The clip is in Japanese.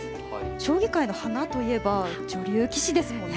将棋界の花といえば女流棋士ですもんね。